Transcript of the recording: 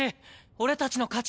俺たちの勝ち！